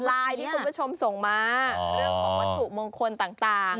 ไลน์ที่คุณผู้ชมส่งมาเรื่องของวัตถุมงคลต่าง